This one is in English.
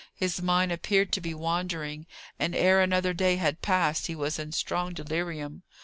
His mind appeared to be wandering, and ere another day had passed he was in strong delirium.